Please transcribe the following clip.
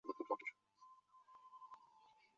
死后赠兵部右侍郎。